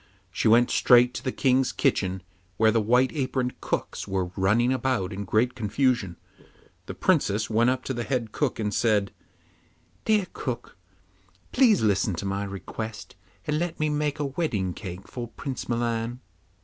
She went straight to the King's kitchen, where the white aproned cooks were running about in great confusion. The Princess went up to the head cook, and said, 'Dear cook, please listen to my request, and let me make a wedding cake for Prince Milan.